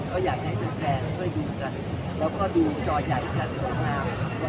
ก็อยากให้เพื่อนดูกันแล้วก็ดูจ่อใหญ่กันนะคะ